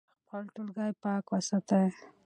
خپل ټولګی پاک وساتئ.